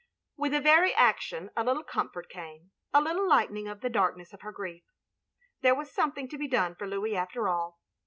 With the very action a little comfort came; a little lightening of the darkness of her grief. There was something to be done for Louis after all.